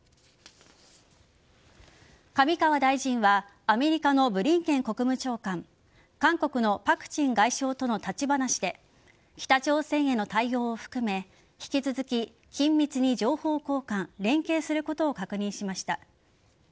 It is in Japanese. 上川大臣はアメリカのブリンケン国務長官韓国のパク・チン外相との立ち話で北朝鮮への対応を含め引き続き、緊密に情報交換・連携することを確認しました。